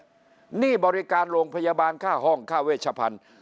หนี้บริการโรงพยาบาลค่าห้องค่าเวชพันธุ์